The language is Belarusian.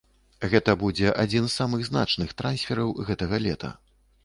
Гэта будзе адзін з самых значных трансфераў гэтага лета.